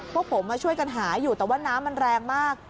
พวกผมมาช่วยกันหาอยู่แต่ว่าน้ำมันแรงมาก